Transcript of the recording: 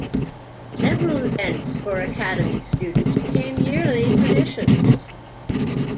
Several events for Academy students became yearly traditions.